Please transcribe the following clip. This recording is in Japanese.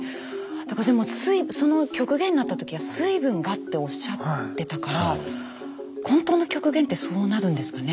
でもその極限になった時は水分がっておっしゃってたから本当の極限ってそうなるんですかね。